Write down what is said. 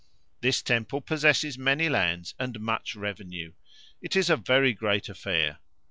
This temple possesses many lands and much revenue: it is a very great affair.